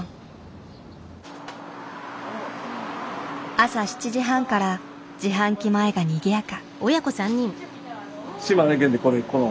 朝７時半から自販機前がにぎやか。